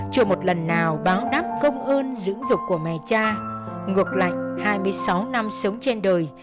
chưa một lần nào báo đáp công ơn dưỡng dục của mẹ cha ngược lại hai mươi sáu năm sống trên đời